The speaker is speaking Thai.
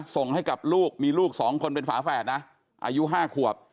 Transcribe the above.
ส่งให้กับลูกมีลูก๒คนเป็นฝาแฝดนะอายุ๕ขวบ